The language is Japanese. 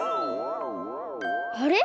あれ？